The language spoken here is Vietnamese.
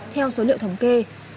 theo số liệu thống kê